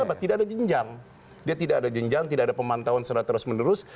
kita sebagai pencinta bola kan melihat ini